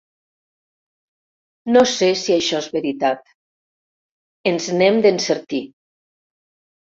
No sé si això és veritat: ens n'hem d'encertir!